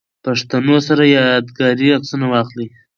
پښتنو سره ياد ګاري عکسونه واخلئ